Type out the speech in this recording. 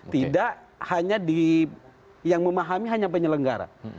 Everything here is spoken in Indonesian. tidak hanya yang memahami hanya penyelenggara